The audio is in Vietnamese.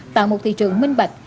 tạo một thị trường minh bạch